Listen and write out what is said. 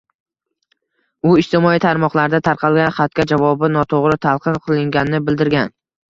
U ijtimoiy tarmoqlarda tarqalgan xatga javobi noto‘g‘ri talqin qilinganini bildirgan